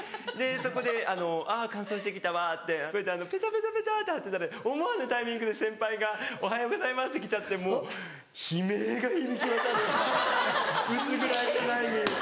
そこで「あ乾燥して来たわ」ってペタペタペタって張ってたら思わぬタイミングで先輩が「おはようございます」って来ちゃってもう悲鳴が響き渡る薄暗い部屋に。